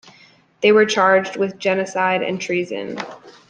They were charged with genocide and treason.